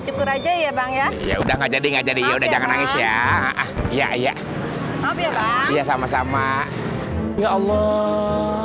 cukur aja ya bang ya udah nggak jadi nggak jadi udah jangan nangis ya ya ya ya sama sama ya allah